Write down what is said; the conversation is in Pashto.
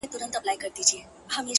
څنگه به هغه له ياده وباسم!